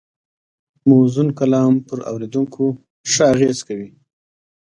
موزون کلام پر اورېدونکي ښه اغېز کوي